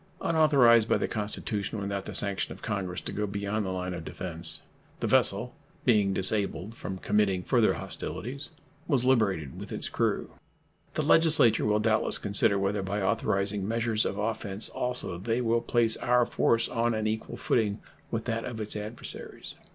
Unauthorized by the Constitution, without the sanction of Congress, to go beyond the line of defense, the vessel, being disabled from committing further hostilities, was liberated with its crew. The Legislature will doubtless consider whether, by authorizing measures of offense also, they will place our force on an equal footing with that of its adversaries.